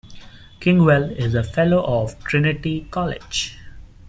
Kingwell is a fellow of Trinity College.